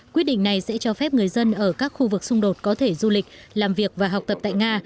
quyết định này sẽ cho phép người dân ở các khu vực xung đột có thể du lịch làm việc và học tập tại nga